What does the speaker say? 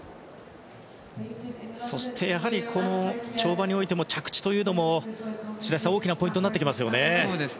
そして、跳馬においても着地というのは白井さん、大きなポイントになってきますよね。